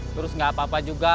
terus nggak apa apa juga